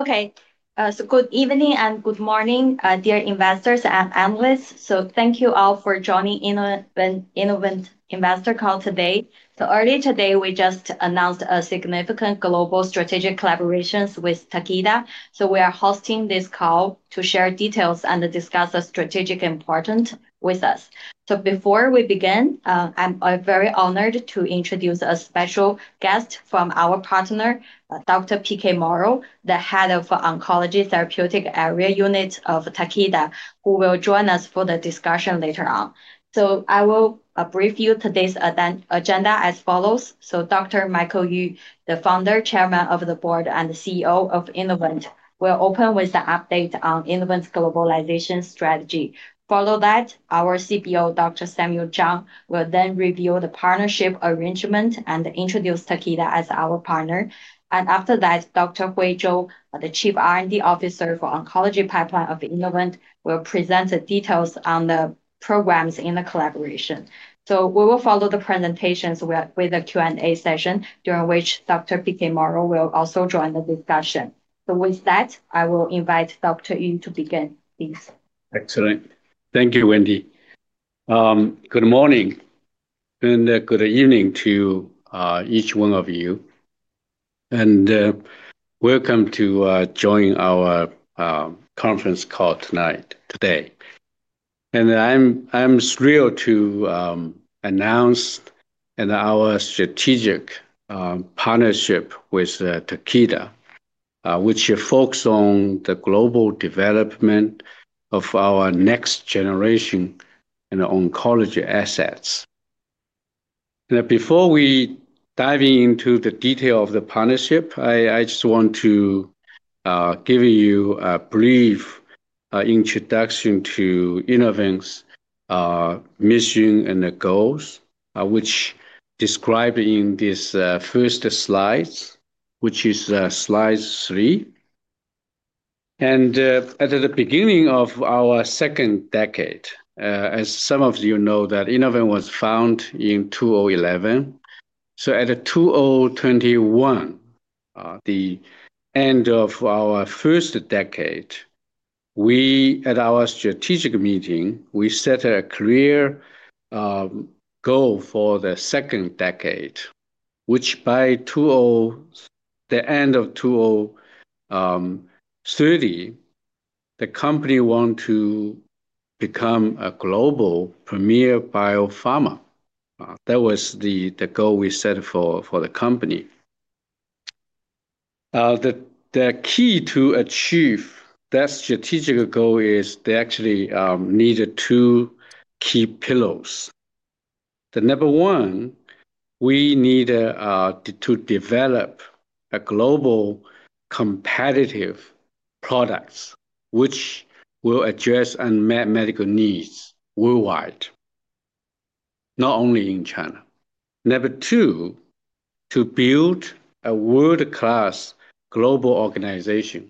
Okay, good evening and good morning, dear investors and analysts. Thank you all for joining the Innovent Investor Call today. Earlier today, we just announced a significant global strategic collaboration with Takeda. We are hosting this call to share details and discuss strategic importance with us. Before we begin, I'm very honored to introduce a special guest from our partner, Dr. PK Morrow, the Head of the Oncology Therapeutic Area Unit of Takeda, who will join us for the discussion later on. I will brief you on today's agenda as follows. Dr. Michael Yu, the Founder, Chairman of the Board, and the CEO of Innovent, will open with an update on Innovent's globalization strategy. Following that, our CBO, Dr. Samuel Zhang, will then reveal the partnership arrangement and introduce Takeda as our partner. After that, Dr. Hui Zhou, the Chief R&D Officer for the Oncology Pipeline of Innovent, will present the details on the programs in the collaboration. We will follow the presentations with a Q&A session, during which Dr. PK Morrow will also join the discussion. With that, I will invite Dr. Yu to begin. Please. Excellent. Thank you, Wendy. Good morning and good evening to each one of you, and welcome to join our conference call tonight, today. I'm thrilled to announce our strategic partnership with Takeda, which focuses on the global development of our next generation in oncology assets. Before we dive into the details of the partnership, I just want to give you a brief introduction to Innovent's mission and goals, which is described in these first slides, which is slide three. At the beginning of our second decade, as some of you know, Innovent was founded in 2011. At 2021, the end of our first decade, at our strategic meeting, we set a clear goal for the second decade, which by the end of 2030, the company want to become a global premier biopharma. That was the goal we set for the company. The key to achieve that strategic goal is that we actually need two key pillars. Number one, we need to develop global competitive products, which will address unmet medical needs worldwide, not only in China. Number two, to build a world-class global organization.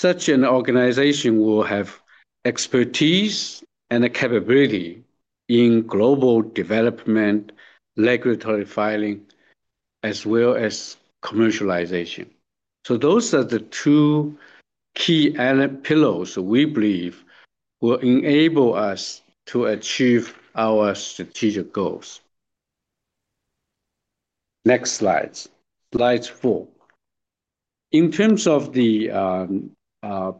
Such an organization will have expertise and capability in global development, regulatory filing, as well as commercialization. Those are the two key pillars we believe will enable us to achieve our strategic goals. Next slide. Slide four. In terms of the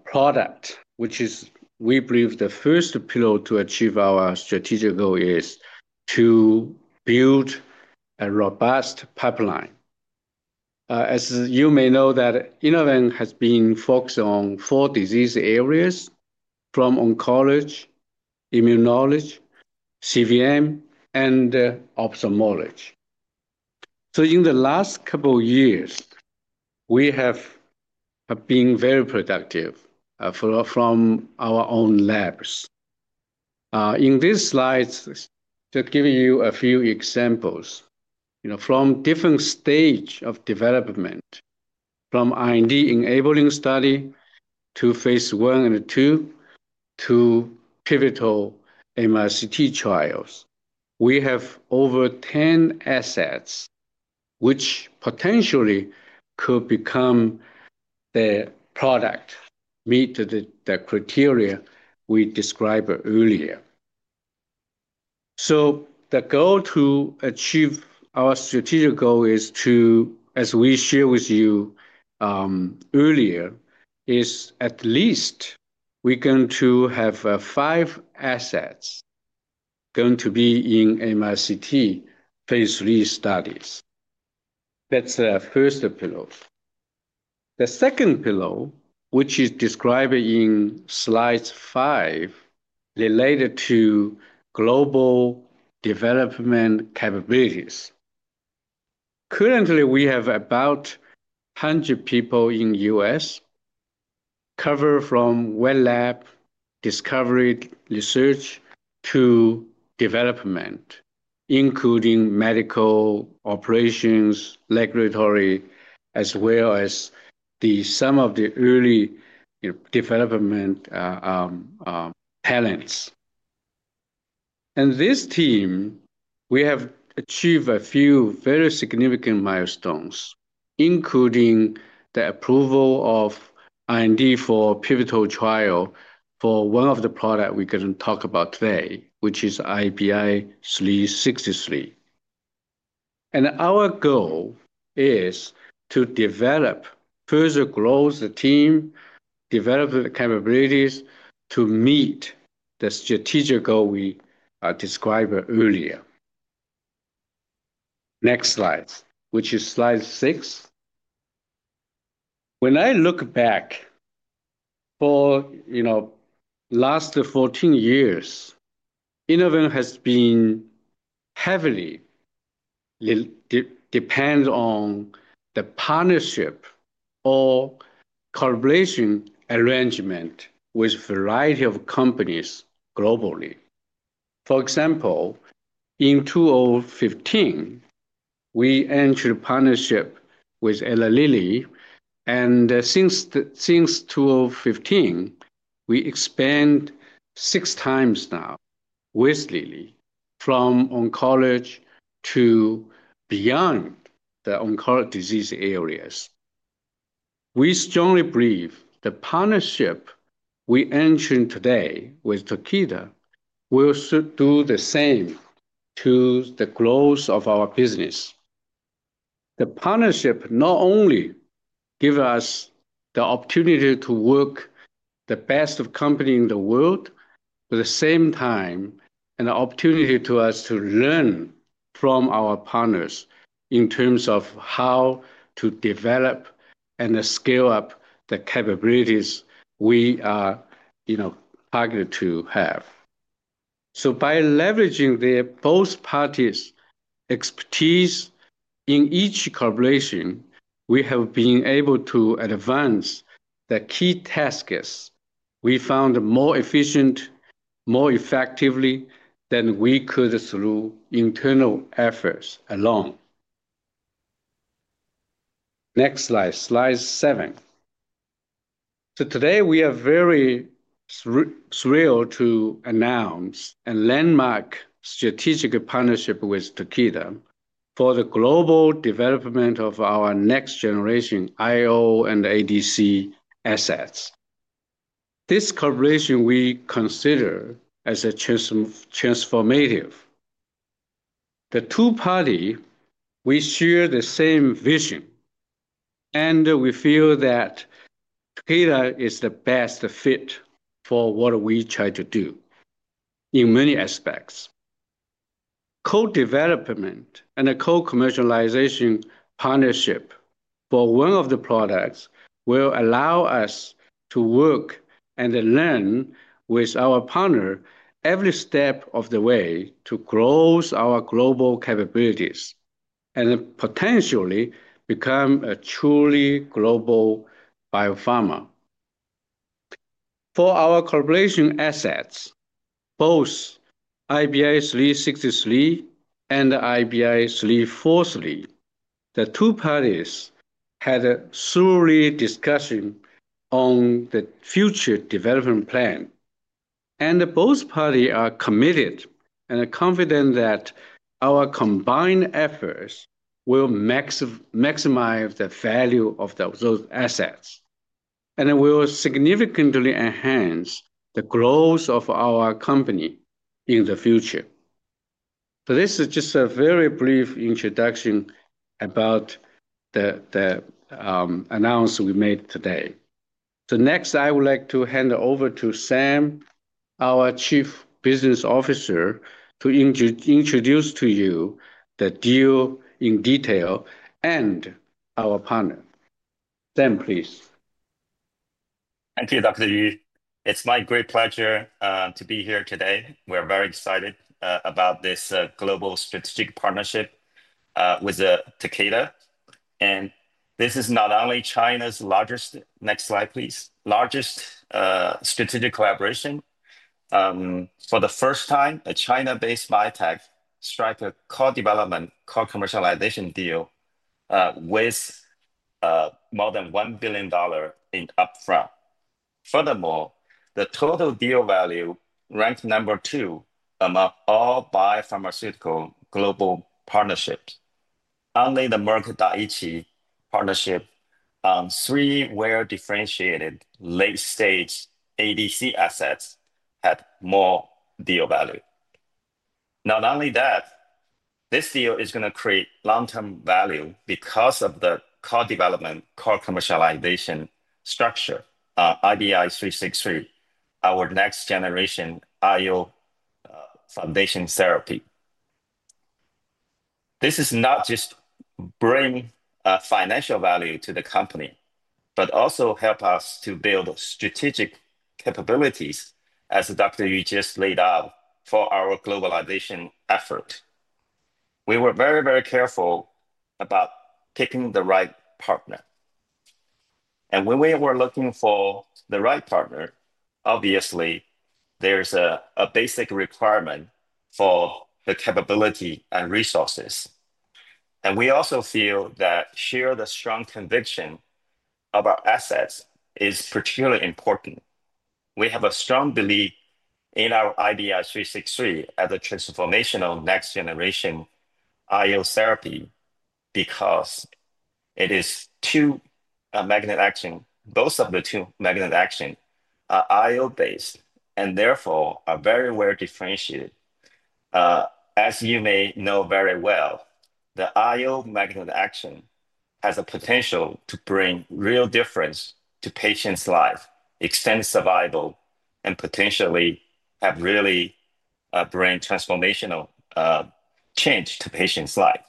product, which is, we believe, the first pillar to achieve our strategic goal is to build a robust pipeline. As you may know, Innovent has been focused on four disease areas, from oncology, immunology, immunology CVD, and ophthalmology. In the last couple of years, we have been very productive from our own labs. In this slide, just giving you a few examples, you know, from different stages of development, from R&D enabling study to phase one and two to pivotal MRCT trials, we have over 10 assets which potentially could become the product that meets the criteria we described earlier. The goal to achieve our strategic goal is to, as we shared with you earlier, is at least we're going to have five assets going to be in MRCT phase three studies. That's the first pillar. The second pillar, which is described in slide five, is related to global development capabilities. Currently, we have about 100 people in the U.S. covering from wet lab, discovery research, to development, including medical operations, regulatory, as well as some of the early development talents. This team has achieved a few very significant milestones, including the approval of R&D for a pivotal trial for one of the products we're going to talk about today, which is IBI363. Our goal is to develop further growth, with the team developing the capabilities to meet the strategic goal we described earlier. Next slide, which is slide six. When I look back over the last 14 years, Innovent has been heavily dependent on the partnership or collaboration arrangement with a variety of companies globally. For example, in 2015, we entered a partnership with Lilly, and since 2015, we have expanded 6x now with Lilly from oncology to beyond the oncology disease areas. We strongly believe the partnership we enter today with Takeda will do the same to the growth of our business. The partnership not only gives us the opportunity to work with the best companies in the world, but at the same time, an opportunity for us to learn from our partners in terms of how to develop and scale up the capabilities we are targeted to have. By leveraging both parties' expertise in each collaboration, we have been able to advance the key tasks we found more efficiently, more effectively than we could through internal efforts alone. Next slide, slide seven. Today, we are very thrilled to announce a landmark strategic partnership with Takeda for the global development of our next generation IO and ADC assets. This collaboration we consider as transformative. The two parties share the same vision, and we feel that Takeda is the best fit for what we try to do in many aspects. Co-development and a co-commercialization partnership for one of the products will allow us to work and learn with our partner every step of the way to grow our global capabilities and potentially become a truly global biopharma. For our collaboration assets, both IBI363 and IBI343, the two parties had a thorough discussion on the future development plan, and both parties are committed and confident that our combined efforts will maximize the value of those assets and will significantly enhance the growth of our company in the future. This is just a very brief introduction about the announcement we made today. Next, I would like to hand it over to Sam, our Chief Business Officer, to introduce to you the deal in detail and our partner. Sam, please. Thank you, Dr. Yu. It's my great pleasure to be here today. We're very excited about this global strategic partnership with Takeda. This is not only China's largest, next slide, please, largest strategic collaboration. For the first time, a China-based biotech struck a co-development, co-commercialization deal with more than $1 billion in upfront. Furthermore, the total deal value ranked number two among all biopharmaceutical global partnerships. Only the Merck-Daiichi partnership on three well-differentiated late-stage ADC assets had more deal value. This deal is going to create long-term value because of the co-development, co-commercialization structure, IBI363, our next generation IO foundation therapy. This is not just bringing financial value to the company, but also helps us to build strategic capabilities, as Dr. Yu just laid out, for our globalization effort. We were very, very careful about picking the right partner. When we were looking for the right partner, obviously, there's a basic requirement for the capability and resources. We also feel that sharing the strong conviction of our assets is particularly important. We have a strong belief in our IBI363 as a transformational next generation IO therapy because it is two magnetic actions. Both of the two magnetic actions are IO-based and therefore are very well differentiated. As you may know very well, the IO magnetic action has the potential to bring real difference to patients' lives, extend survival, and potentially really bring transformational change to patients' lives.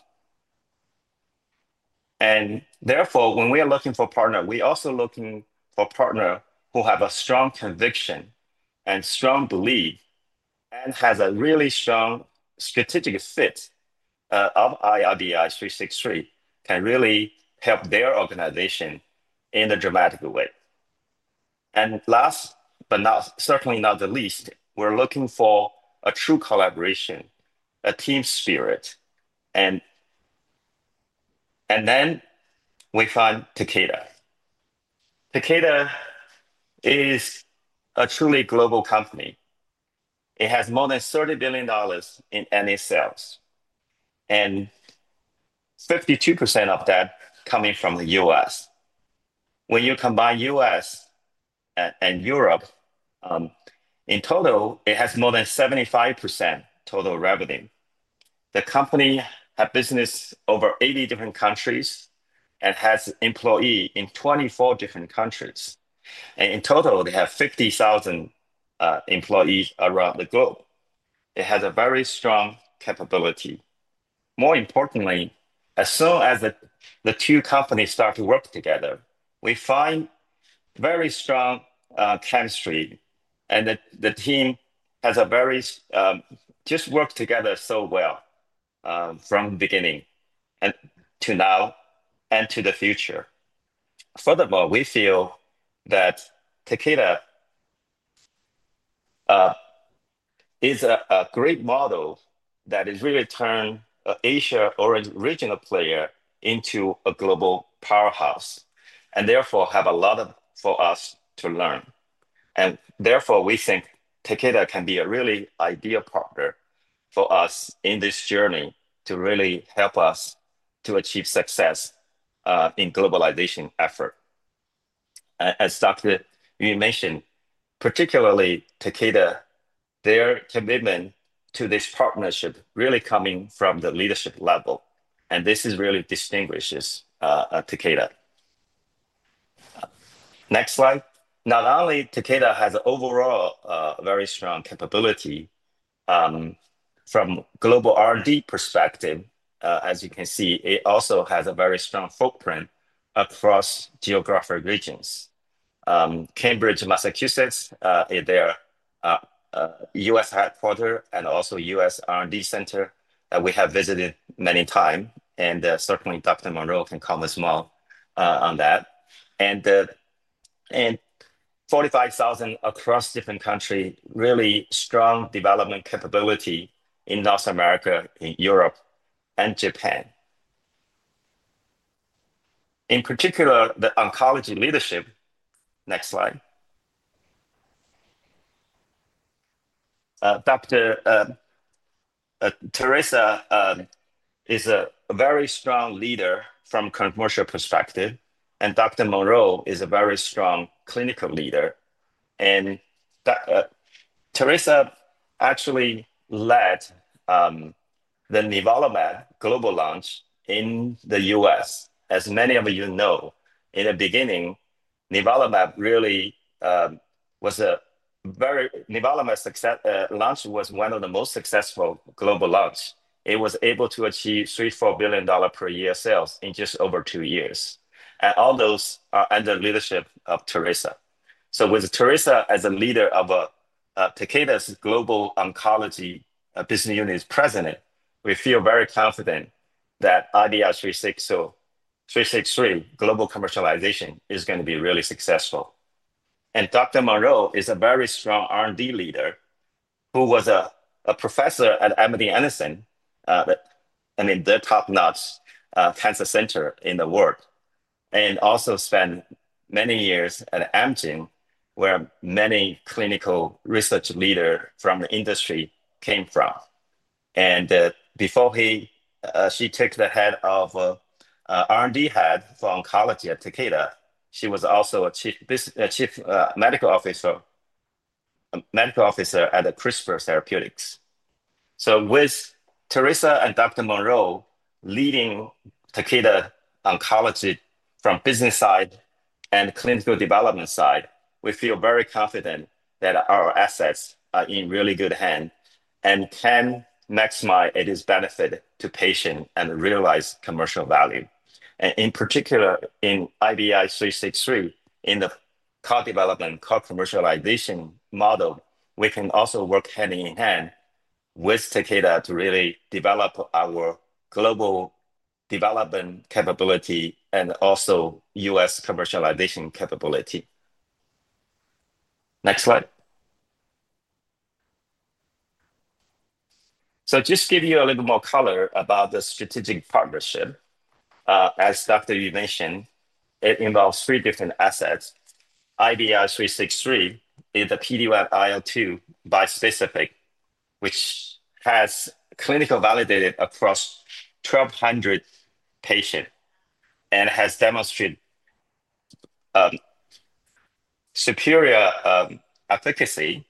Therefore, when we are looking for partners, we are also looking for partners who have a strong conviction and strong belief and have a really strong strategic fit of IBI363 that can really help their organization in a dramatic way. Last but certainly not the least, we're looking for a true collaboration, a team spirit. Then we find Takeda. Takeda is a truly global company. It has more than $30 billion in annual sales, and 52% of that coming from the U.S. When you combine the U.S. and Europe, in total, it has more than 75% total revenue. The company has business in over 80 different countries and has employees in 24 different countries. In total, they have 50,000 employees around the globe. It has a very strong capability. More importantly, as soon as the two companies start to work together, we find very strong chemistry, and the team has just worked together so well from the beginning to now and to the future. Furthermore, we feel that Takeda is a great model that has really turned an Asia original player into a global powerhouse, and therefore has a lot for us to learn. Therefore, we think Takeda can be a really ideal partner for us in this journey to really help us to achieve success in the globalization effort. As Dr. Yu mentioned, particularly Takeda, their commitment to this partnership really comes from the leadership level, and this really distinguishes Takeda. Next slide. Not only does Takeda have an overall very strong capability from a global R&D perspective, as you can see, it also has a very strong footprint across geographic regions. Cambridge, Massachusetts, is their U.S. headquarters and also the U.S. R&D center that we have visited many times. Certainly, Dr. Morrow can comment as well on that. Forty-five thousand across different countries, really strong development capability in North America, in Europe, and Japan. In particular, the oncology leadership. Next slide. Teresa is a very strong leader from a commercial perspective, and Dr. Morrow is a very strong clinical leader. Teresa actually led the nivolumab global launch in the U.S. As many of you know, in the beginning, nivolumab really was a very nivolumab launch was one of the most successful global launches. It was able to achieve $3.4 billion per year sales in just over two years, and all those are under the leadership of Teresa. With Teresa as the leader of Takeda's global oncology business unit as President, we feel very confident that IBI363 global commercialization is going to be really successful. Dr. Morrow is a very strong R&D leader who was a professor at MD Anderson, the top-notch cancer center in the world, and also spent many years at Amgen, where many clinical research leaders from the industry came from. Before she took the Head of R&D for Oncology at Takeda, she was also a Chief Medical Officer at CRISPR Therapeutics. With Teresa and Dr. Morrow leading Takeda oncology from the business side and clinical development side, we feel very confident that our assets are in really good hands and can maximize its benefit to patients and realize commercial value. In particular, in IBI363, in the co-development, co-commercialization model, we can also work hand in hand with Takeda to really develop our global development capability and also U.S. commercialization capability. Next slide. Just to give you a little more color about the strategic partnership, as Dr. Yu mentioned, it involves three different assets. IBI363 is the PD-1/IL-2 bispecific, which has been clinically validated across 1,200 patients and has demonstrated superior efficacy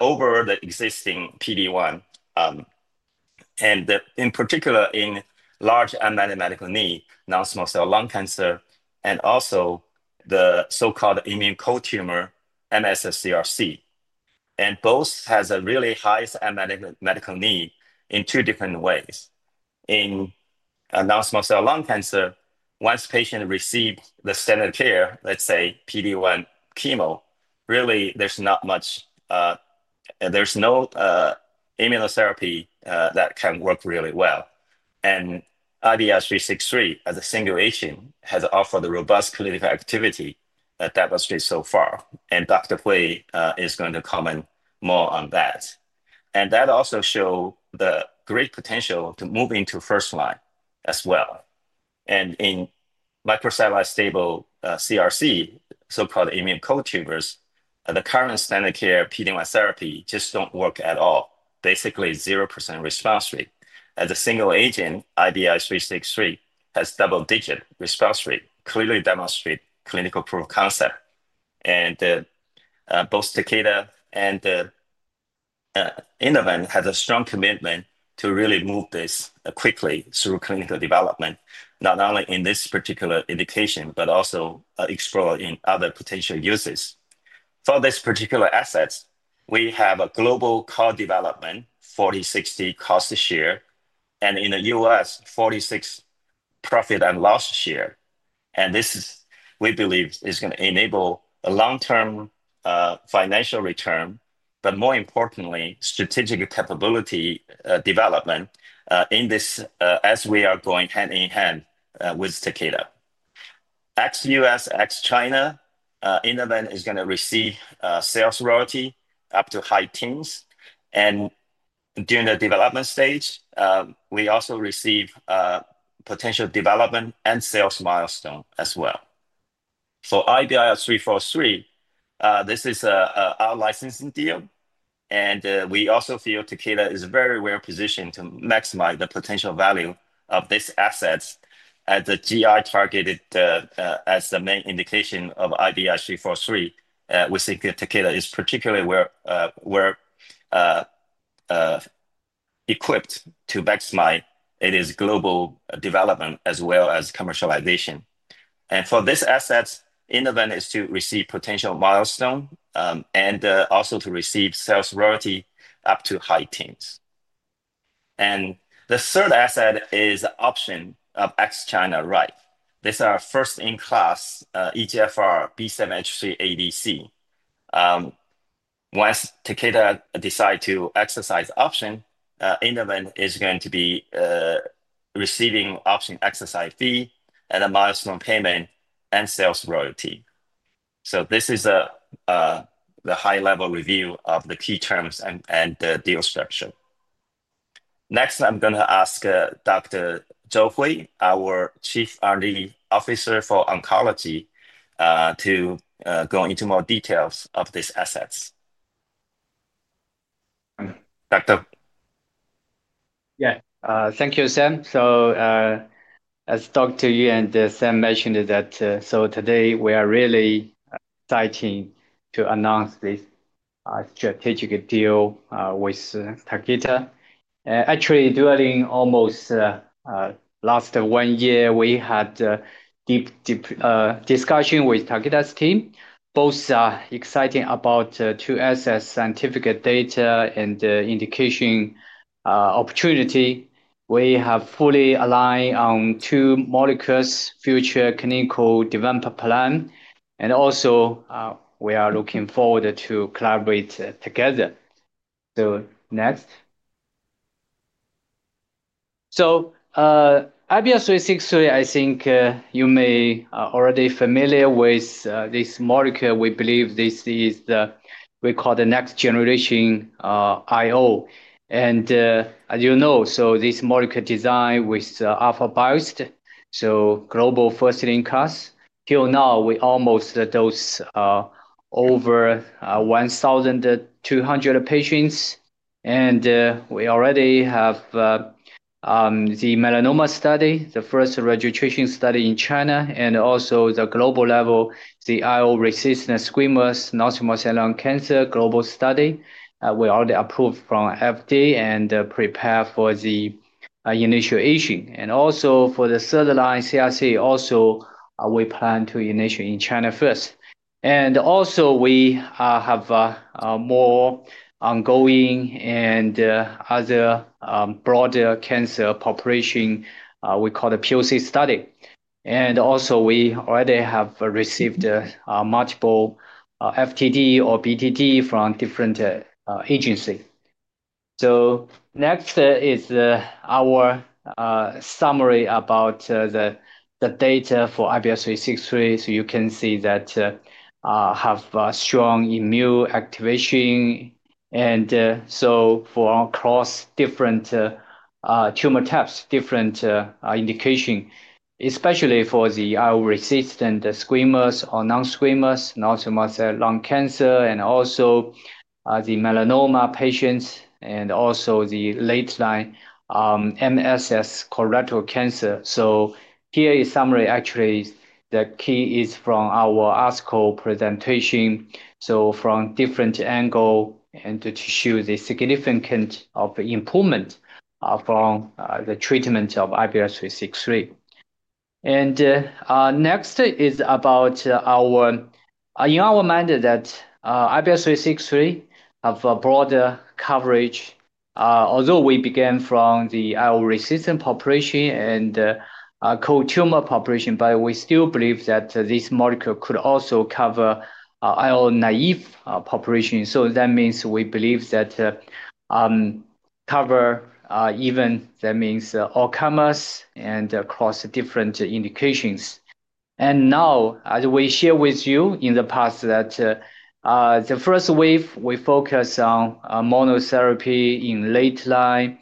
over the existing PD-1, in particular, in large unmet medical needs, non-small cell lung cancer, and also the so-called immune cold tumor, MSS-CRC. Both have a really high unmet medical need in two different ways. In non-small cell lung cancer, once a patient receives the standard care, let's say PD-1 chemo, really, there's not much, there's no immunotherapy that can work really well. IBI363, as a single agent, has offered a robust clinical activity that demonstrates so far. Dr. Hui is going to comment more on that. That also shows the great potential to move into first-line as well. In microsatellite stable CRC, so-called immune cold tumors, the current standard care PD-1 therapy just doesn't work at all. Basically, 0% response rate. As a single agent, IBI363 has double-digit response rate, clearly demonstrating clinical proof of concept. Both Takeda and Innovent have a strong commitment to really move this quickly through clinical development, not only in this particular indication, but also exploring other potential uses. For these particular assets, we have a global co-development, 40:60 cost share, and in the U.S., 40:60 profit and loss share. This, we believe, is going to enable a long-term financial return, but more importantly, strategic capability development in this, as we are going hand in hand with Takeda. Ex-U.S., ex-China, Innovent is going to receive sales royalty up to high teens. During the development stage, we also receive potential development and sales milestones as well. For IBI343, this is our licensing deal. We also feel Takeda is very well positioned to maximize the potential value of these assets as the GI targeted as the main indication of IBI343. We think Takeda is particularly well equipped to maximize its global development as well as commercialization. For these assets, Innovent is to receive potential milestones and also to receive sales royalty up to high teens. The third asset is the option of ex-China right. This is our first-in-class EGFR/B7H3 ADC. Once Takeda decides to exercise the option, Innovent is going to be receiving the option exercise fee, the milestone payment, and sales royalty. This is the high-level review of the key terms and the deal structure. Next, I'm going to ask Dr. Hui Zhou, our Chief R&D Officer for Oncology, to go into more details of these assets. Thank you, Sam. As Dr. Yu and Sam mentioned, today we are really excited to announce this strategic deal with Takeda. Actually, during almost the last one year, we had a deep discussion with Takeda's team, both excited about two assets, scientific data, and the indication opportunity. We have fully aligned on two molecules' future clinical development plan, and we are looking forward to collaborating together. Next, IBI363, I think you may be already familiar with this molecule. We believe this is what we call the next generation IO. As you know, this molecule is designed with alpha-biased, so global first-in-class. Till now, we have almost dosed over 1,200 patients. We already have the melanoma study, the first registration study in China, and also the global level, the IO-resistant squamous non-small cell lung cancer global study. We already approved from FDA and prepared for the initiation. For the third-line CRC, we plan to initiate in China first. We have more ongoing and other broader cancer population we call the POC study. We already have received multiple FTD or BTD from different agencies. Next is our summary about the data for IBI363. You can see that we have strong immune activation for across different tumor types, different indications, especially for the IO-resistant squamous or non-squamous non-small cell lung cancer, the melanoma patients, and the late-line MSS colorectal cancer. Here is a summary. The key is from our article presentation, from a different angle, to show the significance of improvement from the treatment of IBI363. Next is about in our mind that IBI363 has broader coverage. Although we began from the IO-resistant population and co-tumor population, we still believe that this molecule could also cover IO-naive populations. That means we believe that it covers even all comers and across different indications. As we shared with you in the past, the first wave we focused on monotherapy in late-line.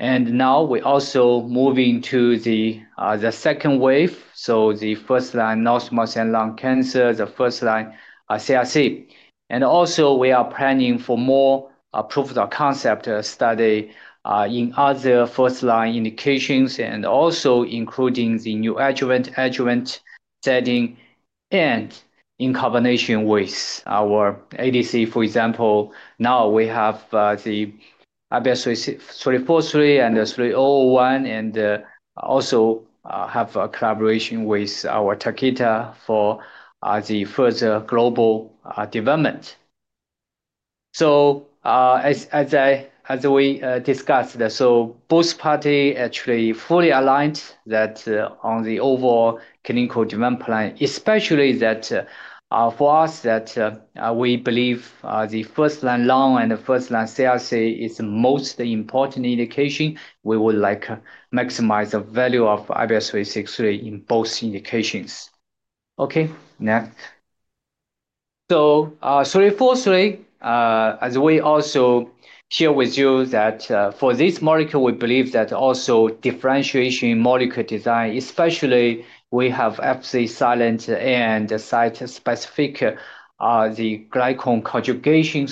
Now we're also moving to the second wave, the first-line non-small cell lung cancer, the first-line CRC. We are planning for more proof-of-concept studies in other first-line indications, including the new adjuvant setting and in combination with our ADC. For example, now we have the IBI343 and IBI301, and also have a collaboration with our Takeda for the further global development. As we discussed, both parties are actually fully aligned on the overall clinical development plan, especially that for us, we believe the first-line lung and the first-line CRC is the most important indication. We would like to maximize the value of IBI363 in both indications. Next, IBI343, as we also shared with you, for this molecule, we believe that also differentiation in molecule design, especially we have Fc silent and site-specific glycan conjugation.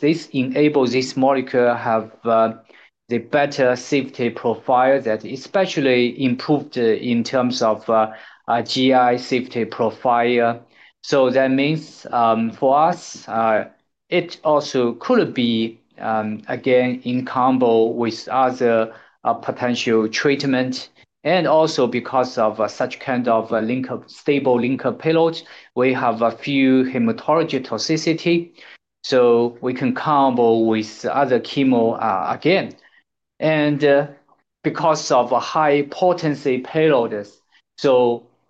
This enables this molecule to have a better safety profile that is especially improved in terms of GI safety profile. That means for us, it also could be again combined with other potential treatments. Also, because of such kind of stable linker payload, we have a few hematology toxicities. We can combine with other chemo again. Because of high potency payloads,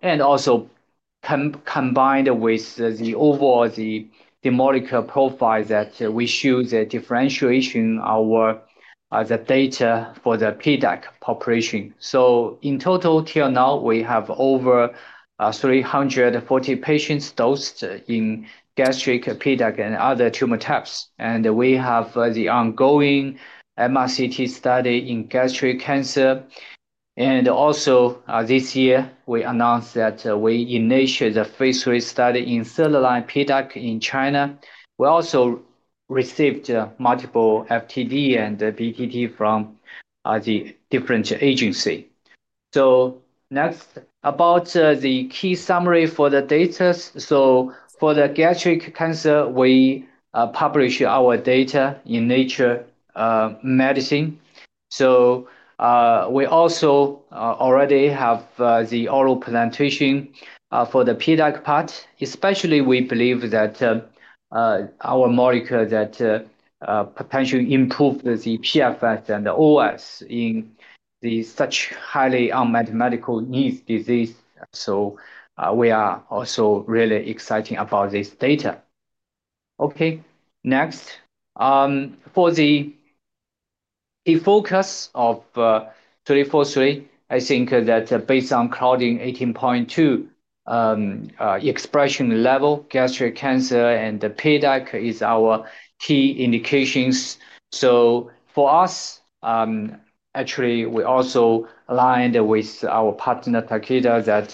and also combined with the overall molecular profile, we show the differentiation in our data for the PDAC population. In total, till now, we have over 340 patients dosed in gastric, PDAC, and other tumor types. We have the ongoing MRCT study in gastric cancer. Also, this year, we announced that we initiated a phase three study in third-line PDAC in China. We also received multiple FTD and BTD from the different agencies. Next, about the key summary for the data. For the gastric cancer, we published our data in Nature Medicine. We also already have the oral presentation for the PDAC part. Especially, we believe that our molecule potentially improves the PFS and the OFS in such highly unmet medical needs diseases. We are also really excited about this data. Next, for the key focus of IBI343, I think that based on Claudin 18.2 expression level, gastric cancer and PDAC is our key indications. For us, actually, we also aligned with our partner, Takeda, that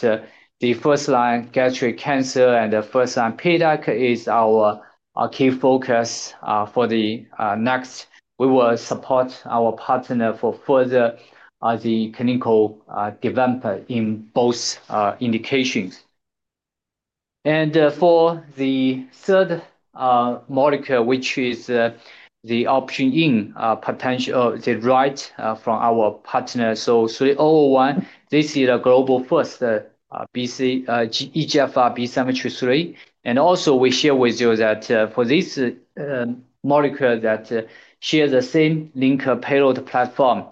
the first-line gastric cancer and the first-line PDAC is our key focus for the next. We will support our partner for further clinical development in both indications. For the third molecule, which is the option in potential, the right from our partner, IBI301, this is a global first EGFR/B7H3. Also, we shared with you that for this molecule, that shares the same linker payload platform.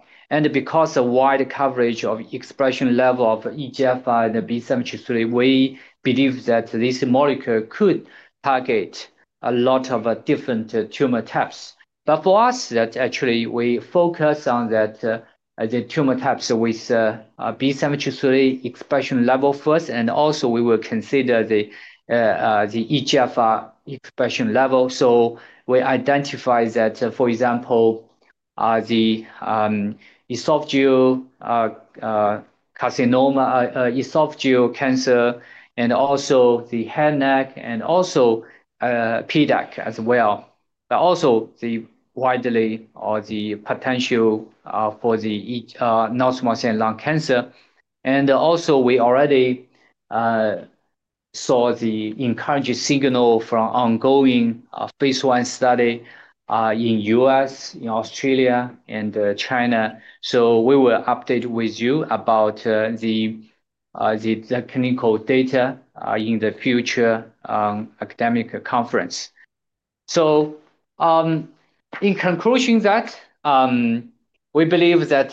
Because of the wide coverage of the expression level of EGFR and B7H3, we believe that this molecule could target a lot of different tumor types. For us, we actually focus on the tumor types with B7H3 expression level first. We will also consider the EGFR expression level. We identify that, for example, esophageal carcinoma, esophageal cancer, the head and neck, and PDAC as well. There is also the potential for the non-small cell lung cancer. We already saw the encouraging signal from ongoing phase one study in the U.S., in Australia, and China. We will update you about the clinical data in the future academic conference. In conclusion, we believe that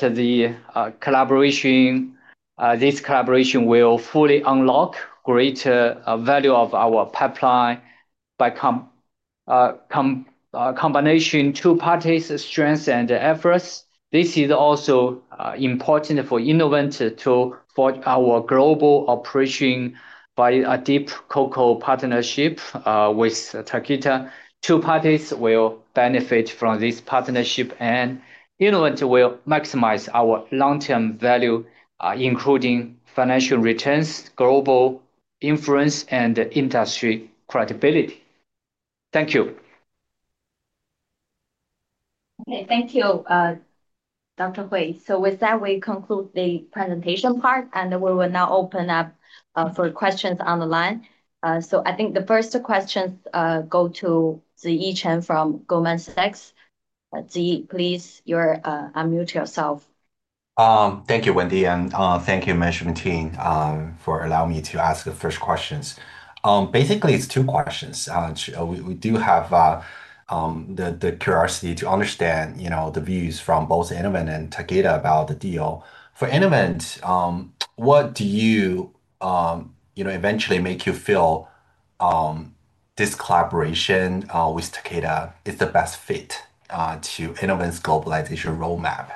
this collaboration will fully unlock greater value of our pipeline by combination of two parties' strengths and efforts. This is also important for Innovent to forge our global operations by a deep co-partnership with Takeda. Two parties will benefit from this partnership, and Innovent will maximize our long-term value, including financial returns, global influence, and industry credibility. Thank you. Okay, thank you, Dr. Hui. With that, we conclude the presentation part, and we will now open up for questions on the line. I think the first questions go to Ziyi Chen from Goldman Sachs. Zhiyi, please, you're unmuting yourself. Thank you, Wendy, and thank you, Management Team, for allowing me to ask the first questions. Basically, it's two questions. We do have the curiosity to understand the views from both Innovent and Takeda about the deal. For Innovent, what do you eventually make you feel this collaboration with Takeda is the best fit to Innovent's globalization roadmap?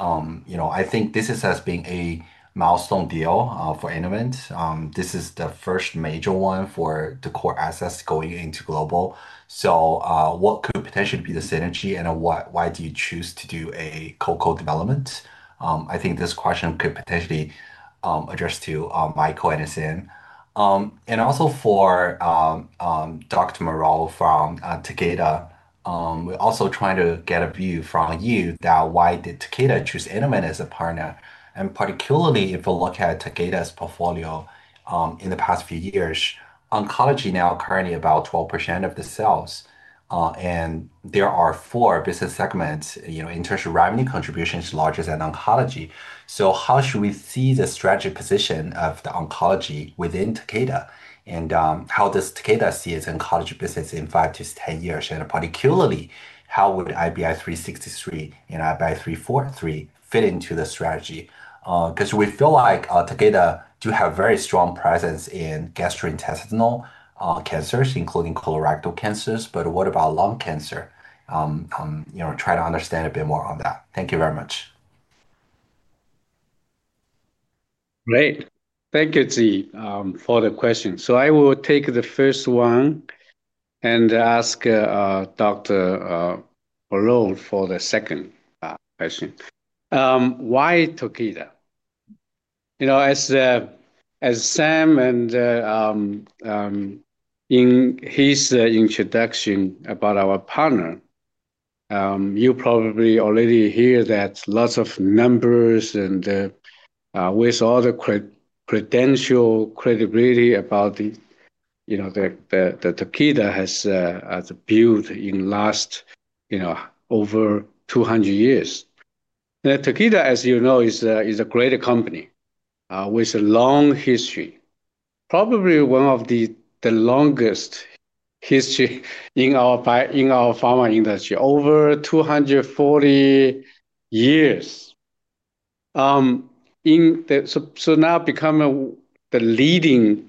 I think this has been a milestone deal for Innovent. This is the first major one for the core assets going into global. What could potentially be the synergy? Why do you choose to do a co-development? I think this question could potentially address to Michael Yu. Also, for Dr. Morrow from Takeda, we're also trying to get a view from you that why did Takeda choose Innovent as a partner? Particularly, if we look at Takeda's portfolio in the past few years, oncology now is currently about 12% of the sales, and there are four business segments, interest revenue, contributions, largest, and oncology. How should we see the strategic position of the oncology within Takeda? How does Takeda see its oncology business in 5-10 years? Particularly, how would IBI363 and IBI343 fit into the strategy? We feel like Takeda does have a very strong presence in gastrointestinal cancers, including colorectal cancers. What about lung cancer? Try to understand a bit more on that. Thank you very much. Great. Thank you, Ziyi, for the question. I will take the first one and ask Dr. Morrow for the second question. Why Takeda? As Sam mentioned in his introduction about our partner, you probably already hear that lots of numbers and with all the credential credibility that Takeda has built in the last over 200 years. Takeda, as you know, is a great company with a long history, probably one of the longest histories in our pharma industry, over 240 years. Now becoming the leading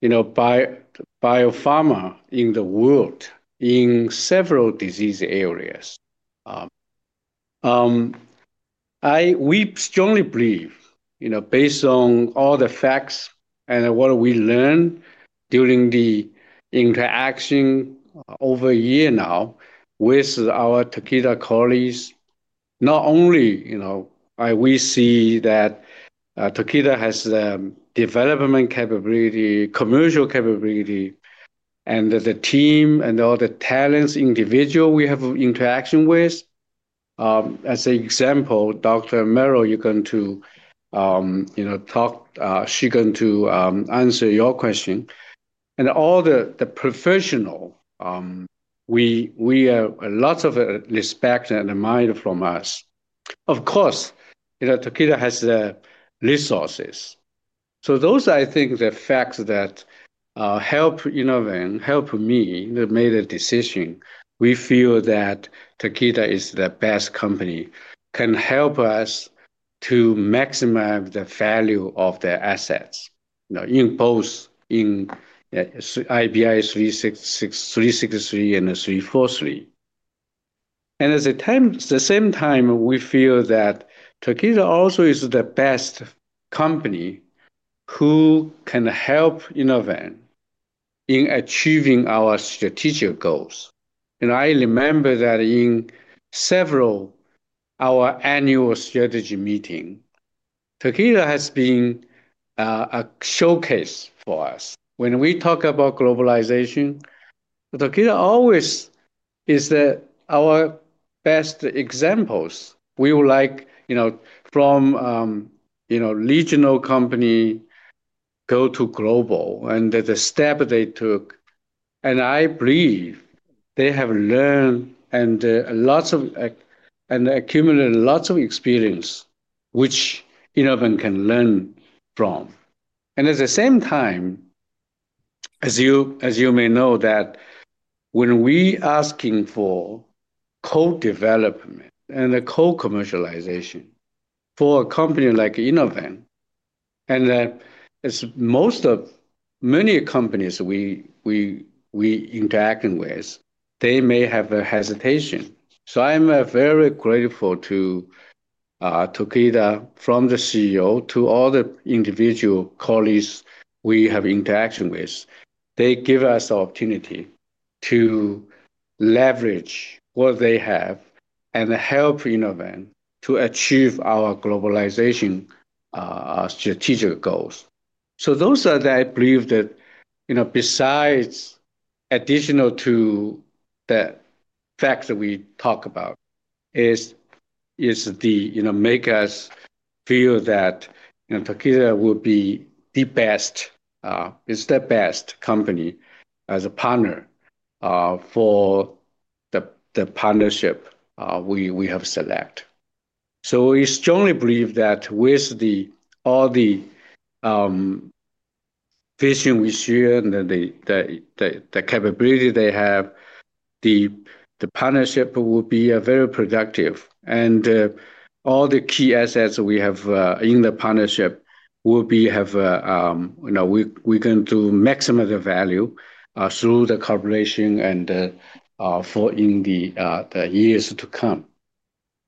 biopharma in the world in several disease areas. We strongly believe, based on all the facts and what we learned during the interaction over a year now with our Takeda colleagues, not only do we see that Takeda has a development capability, commercial capability, and the team and all the talented individuals we have interaction with. As an example, Dr. Morrow, you're going to talk. She's going to answer your question. All the professionals, we have lots of respect and admire from us. Of course, Takeda has the resources. Those are, I think, the facts that helped Innovent and helped me to make the decision. We feel that Takeda is the best company that can help us to maximize the value of their assets in both IBI363 and IBI343. At the same time, we feel that Takeda also is the best company who can help Innovent in achieving our strategic goals. I remember that in several of our annual strategy meetings, Takeda has been a showcase for us. When we talk about globalization, Takeda always is our best example. We would like from a regional company to go global and the step they took. I believe they have learned and accumulated lots of experience, which Innovent can learn from. At the same time, as you may know, when we are asking for co-development and co-commercialization for a company like Innovent, and as most of many companies we interact with, they may have a hesitation. I am very grateful to Takeda, from the CEO to all the individual colleagues we have interaction with. They give us the opportunity to leverage what they have and help Innovent to achieve our globalization strategic goals. Those are, I believe, besides additional to the facts that we talked about, what make us feel that Takeda will be the best. It's the best company as a partner for the partnership we have selected. We strongly believe that with all the vision we share and the capability they have, the partnership will be very productive. All the key assets we have in the partnership will be able to maximize the value through the collaboration and for the years to come.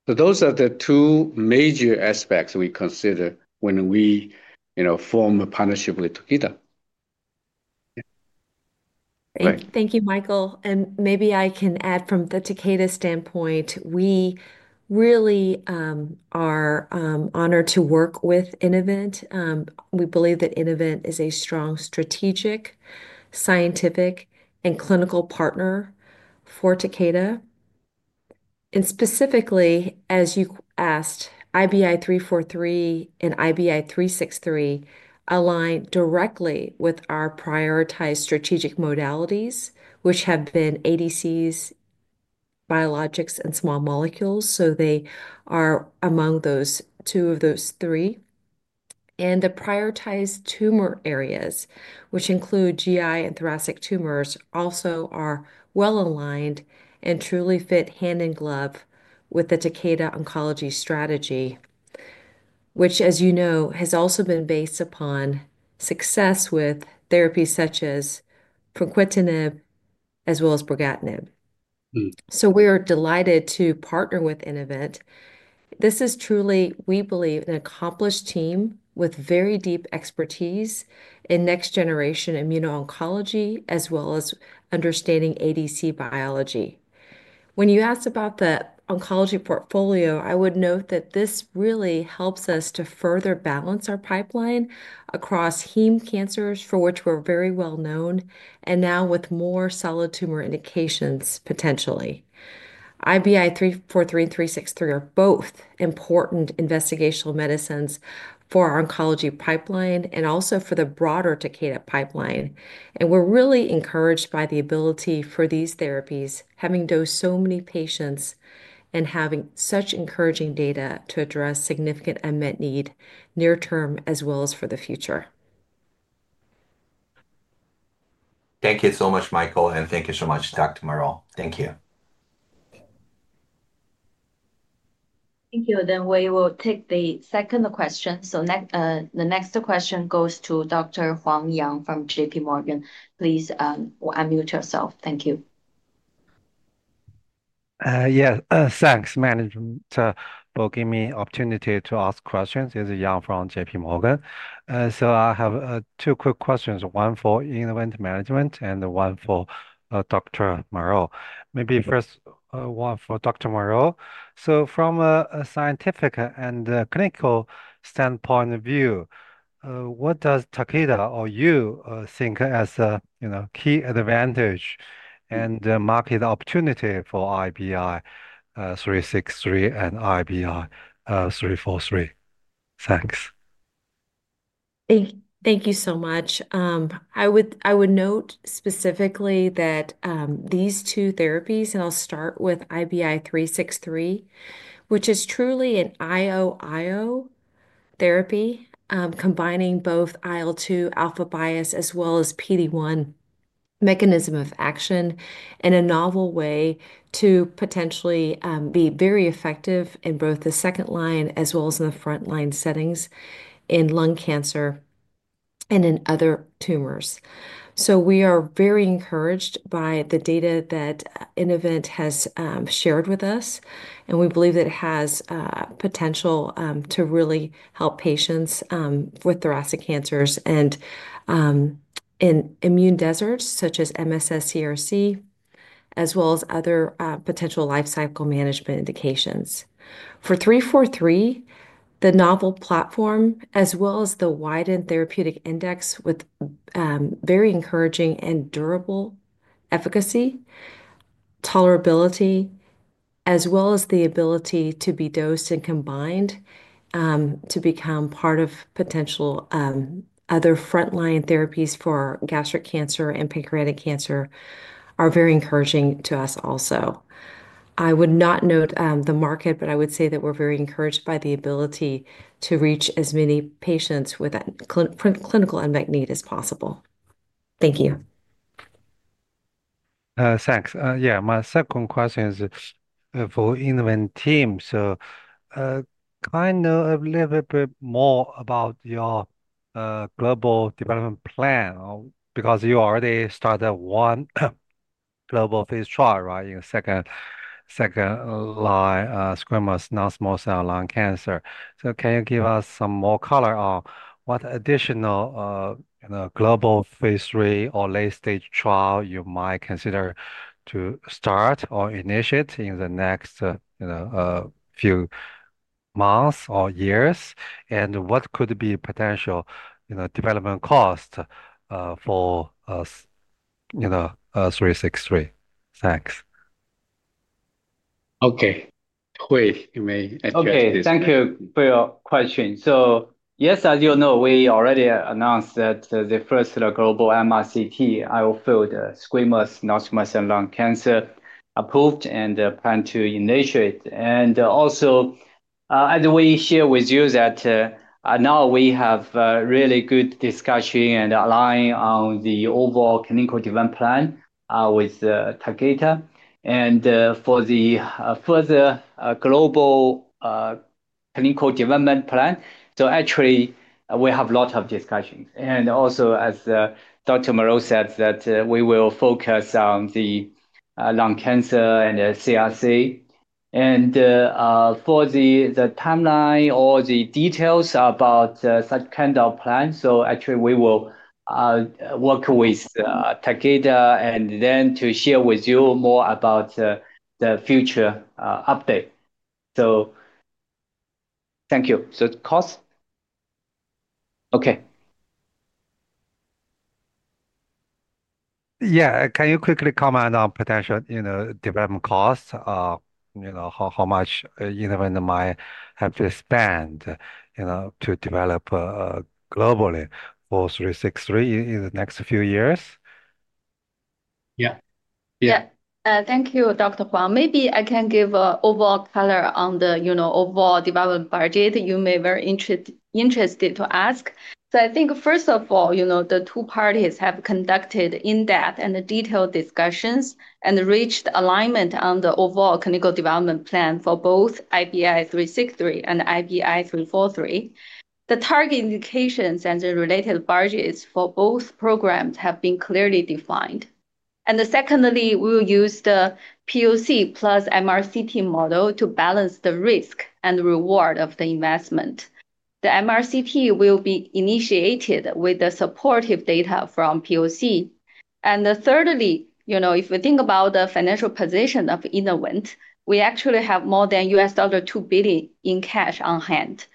Those are the two major aspects we consider when we form a partnership with Takeda. Thank you, Michael. Maybe I can add from the Takeda standpoint, we really are honored to work with Innovent. We believe that Innovent is a strong strategic, scientific, and clinical partner for Takeda. Specifically, as you asked, IBI343 and IBI363 align directly with our prioritized strategic modalities, which have been ADCs, biologics, and small molecules. They are among those two of those three. The prioritized tumor areas, which include GI and thoracic tumors, also are well aligned and truly fit hand in glove with the Takeda oncology strategy, which, as you know, has also been based upon success with therapies such as fulcitinib as well as brigatinib. We are delighted to partner with Innovent. This is truly, we believe, an accomplished team with very deep expertise in next generation immuno-oncology, as well as understanding ADC biology. When you asked about the oncology portfolio, I would note that this really helps us to further balance our pipeline across heme cancers, for which we're very well known, and now with more solid tumor indications, potentially. IBI343 and IBI363 are both important investigational medicines for our oncology pipeline and also for the broader Takeda pipeline. We're really encouraged by the ability for these therapies, having dosed so many patients and having such encouraging data to address significant unmet need near term as well as for the future. Thank you so much, Michael. Thank you so much, Dr. Morrow. Thank you. Thank you. We will take the second question. The next question goes to Dr. Yang Huang from JPMorgan. Please unmute yourself. Thank you. Yeah. Thanks, Management, for giving me the opportunity to ask questions. This is Yang from JPMorgan. I have two quick questions, one for Innovent Management and one for Dr. Morrow. First one for Dr. Morrow. From a scientific and clinical standpoint of view, what does Takeda, or you, think as a key advantage and market opportunity for IBI363 and IBI343? Thanks. Thank you so much. I would note specifically that these two therapies, and I'll start with IBI363, which is truly an IO-IO therapy, combining both IL-2 alpha-biased as well as PD-1 mechanism of action, and a novel way to potentially be very effective in both the second-line as well as in the front-line settings in lung cancer and in other tumors. We are very encouraged by the data that Innovent has shared with us, and we believe that it has potential to really help patients with thoracic cancers and in immune deserts such as microsatellite stable colorectal cancer, as well as other potential life cycle management indications. For IBI343, the novel platform, as well as the widened therapeutic index with very encouraging and durable efficacy, tolerability, as well as the ability to be dosed and combined to become part of potential other front-line therapies for gastric cancer and pancreatic cancer, are very encouraging to us also. I would not note the market, but I would say that we're very encouraged by the ability to reach as many patients with clinical unmet need as possible. Thank you. Thanks. Yeah. My second question is for the Innovent team. Can I know a little bit more about your global development plan? You already started one global phase trial, right, in second-line squamous non-small cell lung cancer. Can you give us some more color on what additional global phase three or late-stage trial you might consider to start or initiate in the next few months or years? What could be potential development costs for 363? Thanks. OK. Hui, you may address this. OK. Thank you for your question. Yes, as you know, we already announced that the first global MRCT, IO-filled squamous non-small cell lung cancer, approved and plan to initiate. Also, as we shared with you, now we have a really good discussion and aligned on the overall clinical development plan with Takeda. For the further global clinical development plan, we have a lot of discussions. Also, as Dr. Morrow said, we will focus on the lung cancer and CRC. For the timeline or the details about such kind of plan, we will work with Takeda and then share with you more about the future update. Thank you. Cost? Yeah. Can you quickly comment on potential development costs? How much Innovent might have to spend to develop globally for 363 in the next few years? Yeah. Thank you, Dr. Huang. Maybe I can give an overall color on the overall development budget. You may be very interested to ask. First of all, the two parties have conducted in-depth and detailed discussions and reached alignment on the overall clinical development plan for both IBI363 and IBI343. The target indications and the related budgets for both programs have been clearly defined. We will use the POC plus MRCT model to balance the risk and reward of the investment. The MRCT will be initiated with the supportive data from POC. If we think about the financial position of Innovent, we actually have more than $2 billion in cash on hand.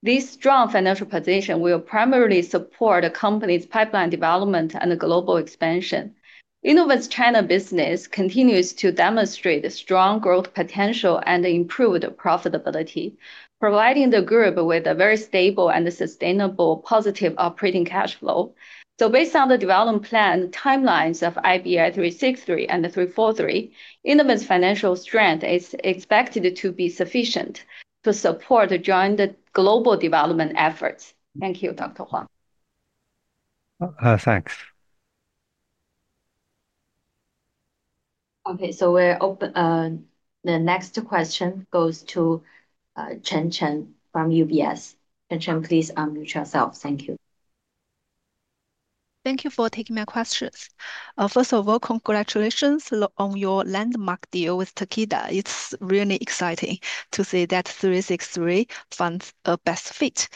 This strong financial position will primarily support the company's pipeline development and global expansion. Innovent China business continues to demonstrate strong growth potential and improved profitability, providing the group with a very stable and sustainable positive operating cash flow. Based on the development plan timelines of IBI363 and IBI343, Innovent financial strength is expected to be sufficient to support joint global development efforts. Thank you, Dr. Huang. Thanks. Okay. We're open. The next question goes to Chen Chen from UBS. Chen Chen, please unmute yourself. Thank you. Thank you for taking my questions. First of all, congratulations on your landmark deal with Takeda. It's really exciting to see that 363 finds a best fit.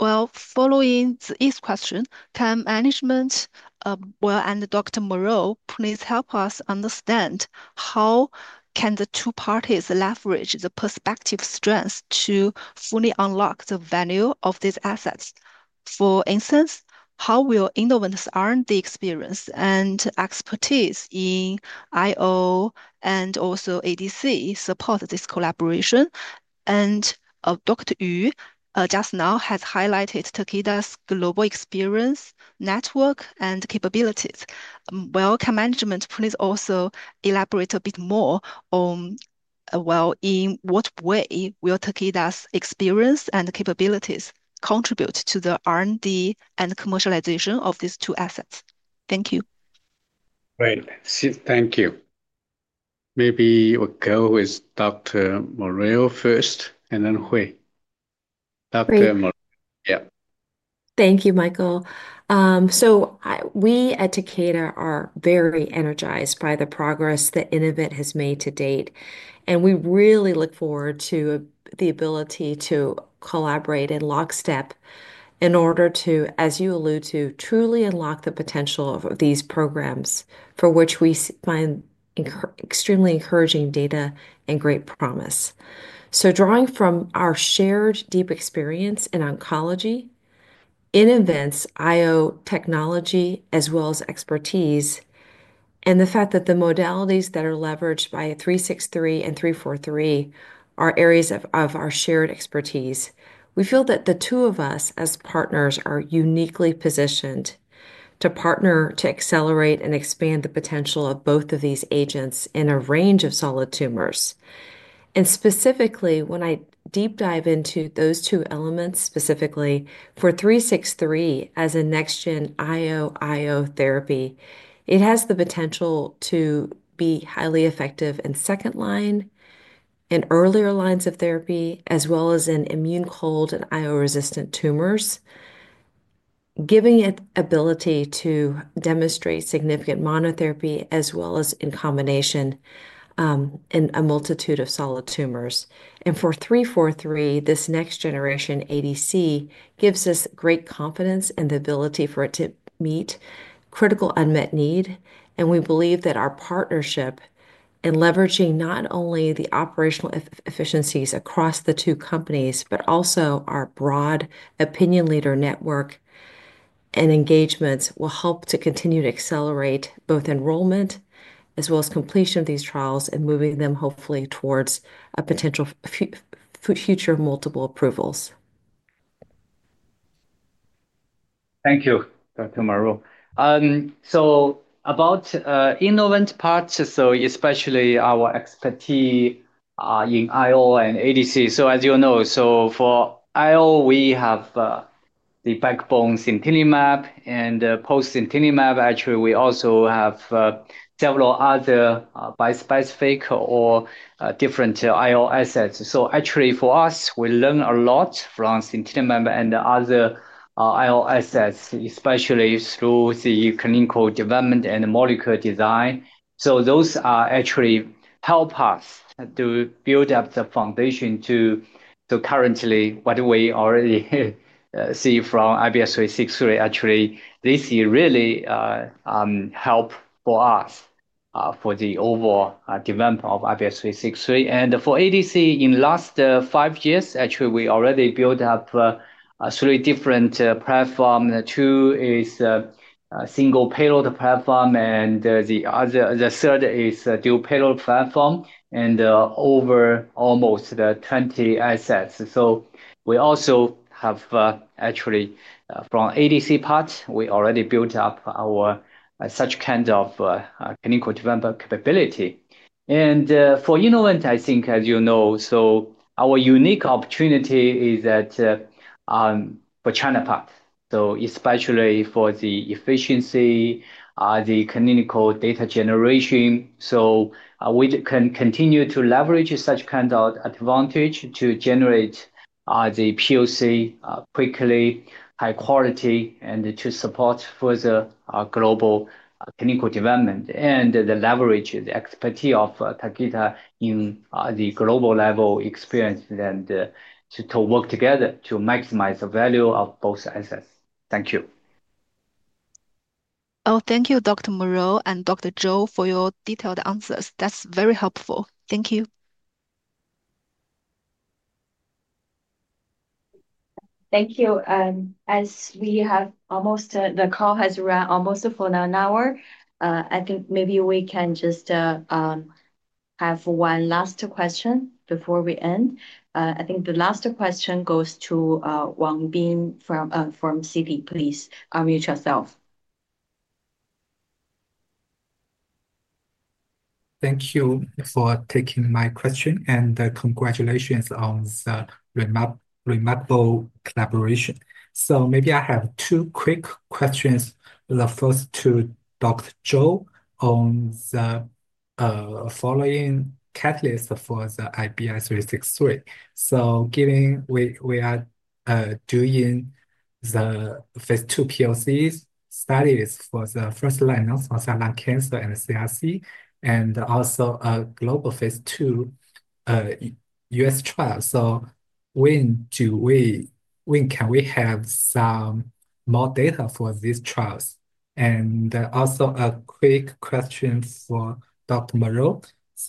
Following this question, can Management and Dr. Morrow please help us understand how can the two parties leverage the respective strengths to fully unlock the value of these assets? For instance, how will Innovent's R&D experience and expertise in IO and also ADC support this collaboration? Dr. Yu just now has highlighted Takeda's global experience, network, and capabilities. Can Management please also elaborate a bit more on, in what way will Takeda's experience and capabilities contribute to the R&D and commercialization of these two assets? Thank you. Great. Thank you. Maybe we'll go with Dr. Morrow first, and then Hui. Dr. Morrow, yeah. Thank you, Michael. We at Takeda are very energized by the progress that Innovent has made to date. We really look forward to the ability to collaborate in lockstep in order to, as you alluded to, truly unlock the potential of these programs for which we find extremely encouraging data and great promise. Drawing from our shared deep experience in oncology, Innovent's IO technology, as well as expertise, and the fact that the modalities that are leveraged by IBI363 and IBI343 are areas of our shared expertise, we feel that the two of us as partners are uniquely positioned to accelerate and expand the potential of both of these agents in a range of solid tumors. Specifically, when I deep dive into those two elements, for IBI363 as a next-gen IO-IO therapy, it has the potential to be highly effective in second-line and earlier lines of therapy, as well as in immune cold and IO-resistant tumors, giving it the ability to demonstrate significant monotherapy, as well as in combination in a multitude of solid tumors. For IBI343, this next generation ADC gives us great confidence in the ability for it to meet critical unmet need. We believe that our partnership in leveraging not only the operational efficiencies across the two companies, but also our broad opinion leader network and engagements, will help to continue to accelerate both enrollment as well as completion of these trials and moving them hopefully towards a potential future multiple approvals. Thank you, Dr. Morrow. About Innovent parts, especially our expertise in IO and ADC. As you know, for IO, we have the backbone cemiplimab and post-cemiplimab, we also have several other bispecific or different IO assets. For us, we learn a lot from cemiplimab and other IO assets, especially through the clinical development and molecular design. Those help us to build up the foundation to what we already see from IBI363. This is really helpful for us for the overall development of IBI363. For ADC, in the last five years, we already built up three different platforms. Two are single payload platforms, and the third is a dual payload platform and over almost 20 assets. From ADC parts, we already built up our clinical development capability. For Innovent, our unique opportunity is that for China part, especially for the efficiency, the clinical data generation. We can continue to leverage such kind of advantage to generate the POC quickly, high quality, and to support further global clinical development and leverage the expertise of Takeda in the global level experience to work together to maximize the value of both assets. Thank you. Oh, thank you, Dr. Morrow and Dr. Zhou, for your detailed answers. That's very helpful. Thank you. Thank you. As we have almost, the call has run almost for an hour, I think maybe we can just have one last question before we end. I think the last question goes to Wang Bin from Citi, please unmute yourself. Thank you for taking my question and congratulations on the remarkable collaboration. I have two quick questions. The first to Dr. Hui Zhou on the following catalyst for the IBI363. Given we are doing the phase two POC studies for the first-line non-small cell lung cancer and CC, and also a global phase two U.S. trial, when can we have some more data for these trials? Also, a quick question for Dr.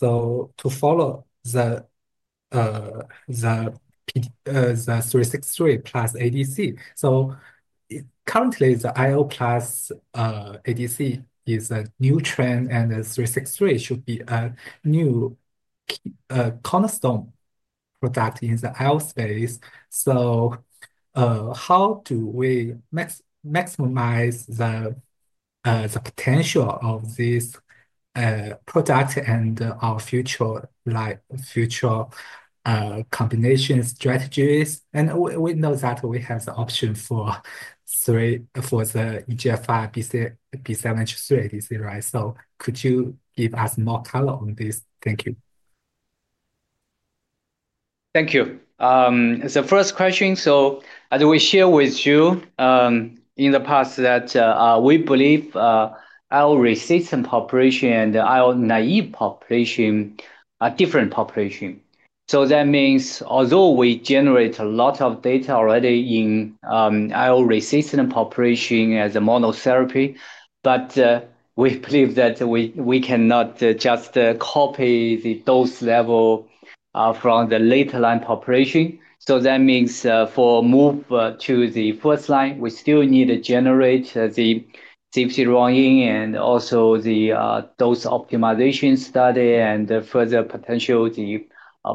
Morrow. To follow the 363 + ADC, currently, the IO + ADC is a new trend, and the 363 should be a new cornerstone product in the IO space. How do we maximize the potential of this product and our future combination strategies? We know that we have the option for the EGFR/B7H3 ADC, right? Could you give us more color on this? Thank you. Thank you. First question. As we shared with you in the past, we believe IO-resistant population and IO-naive population are different populations. That means although we generate a lot of data already in IO-resistant population as a monotherapy, we believe that we cannot just copy the dose level from the late-line population. That means for move to the first-line, we still need to generate the CBC drawing and also the dose optimization study and further potential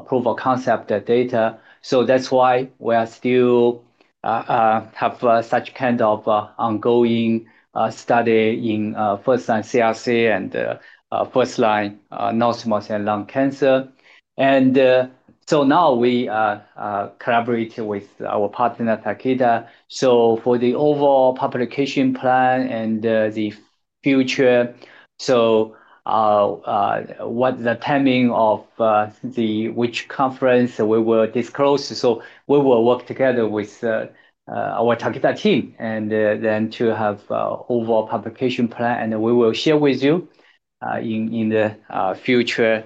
proof-of-concept data. That's why we still have such kind of ongoing study in first-line CRC and first-line non-small cell lung cancer. Now we collaborate with our partner, Takeda. For the overall publication plan and the future, the timing of which conference we will disclose, we will work together with our Takeda team and then have an overall publication plan. We will share with you in the future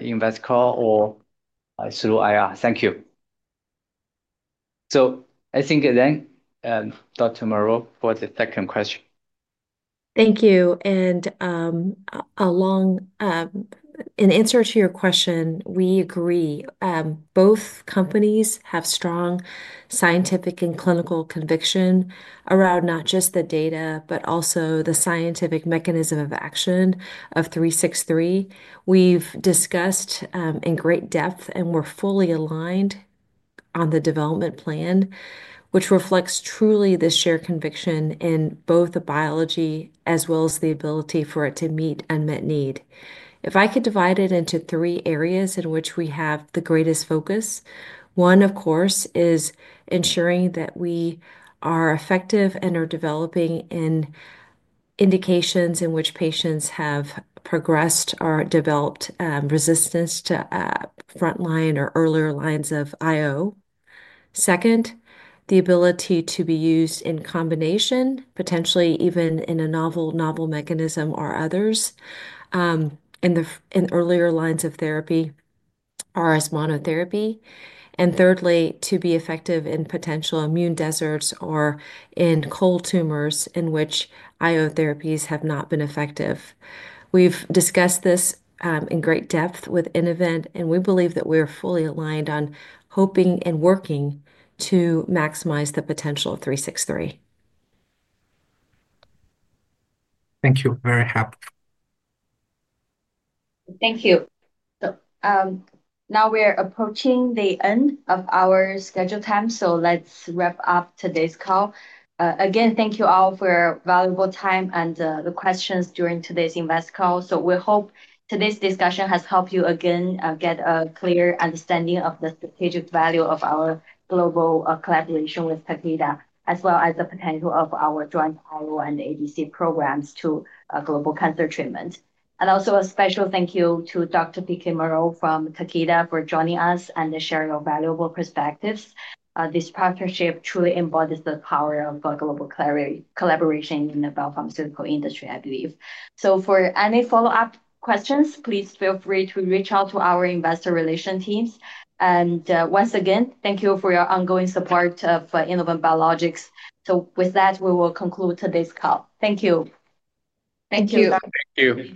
invest call or through IR. Thank you. I think then, Dr. Morrow, for the second question. Thank you. In answer to your question, we agree. Both companies have strong scientific and clinical conviction around not just the data, but also the scientific mechanism of action of IBI363. We've discussed in great depth, and we're fully aligned on the development plan, which reflects truly the shared conviction in both the biology as well as the ability for it to meet unmet need. If I could divide it into three areas in which we have the greatest focus, one, of course, is ensuring that we are effective and are developing indications in which patients have progressed or developed resistance to front-line or earlier lines of IO. Second, the ability to be used in combination, potentially even in a novel mechanism or others in the earlier lines of therapy or as monotherapy. Thirdly, to be effective in potential immune deserts or in cold tumors in which IO therapies have not been effective. We've discussed this in great depth with Innovent Biologics, and we believe that we are fully aligned on hoping and working to maximize the potential of IBI363. Thank you. Very happy. Thank you. Now we're approaching the end of our scheduled time. Let's wrap up today's call. Again, thank you all for your valuable time and the questions during today's invest call. We hope today's discussion has helped you again get a clear understanding of the strategic value of our global collaboration with Takeda, as well as the potential of our joint IO and ADC programs to global cancer treatment. Also, a special thank you to Dr. PK Morrow from Takeda for joining us and sharing your valuable perspectives. This partnership truly embodies the power of global collaboration in the biopharmaceutical industry, I believe. For any follow-up questions, please feel free to reach out to our investor relations teams. Once again, thank you for your ongoing support of Innovent Biologics. With that, we will conclude today's call. Thank you. Thank you. Thank you.